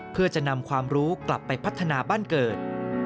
เพื่อจะนำความรู้กลับไปพัฒนาบ้านเกิด